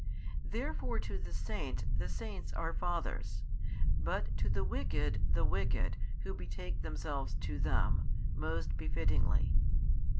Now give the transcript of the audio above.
Therefore to the saints the saints are fathers, but to the wicked the wicked who betake themselves to them, most befittingly.